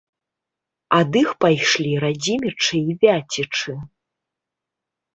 Ад іх пайшлі радзімічы і вяцічы.